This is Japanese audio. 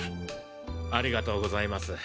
ありがとうございます。